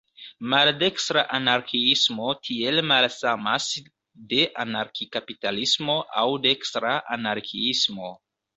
Maldekstra anarkiismo tiel malsamas de anarki-kapitalismo aŭ "dekstra" anarkiismo.